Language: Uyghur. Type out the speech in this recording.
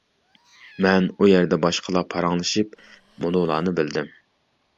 مەن ئۇ يەردە باشقىلار پاراڭلىشىپ مۇنۇلارنى بىلدىم.